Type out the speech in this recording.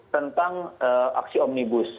tentang aksi omnibus